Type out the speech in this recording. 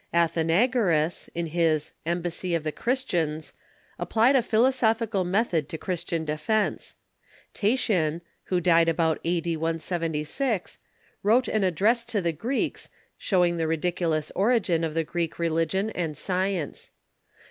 Athenagoras, in his " Embassy of the Christians," applied a philosophical method to Christian defence. Tatian, Avho died about a.d. 176, wrote an Address to the Greeks, showing the ridiculous origin of the Greek religion and science.